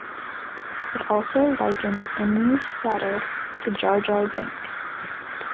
It also likened Inoue Sato to Jar Jar Binks.